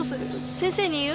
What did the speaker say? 先生に言う？